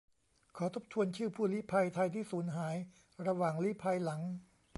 ขอทบทวนชื่อ ผู้ลี้ภัย ไทยที่สูญหายระหว่างลี้ภัยหลัง